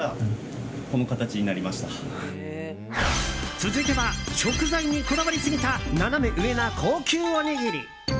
続いては食材にこだわりすぎたナナメ上な高級おにぎり。